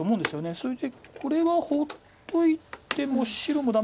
それでこれは放っといても白もダメで。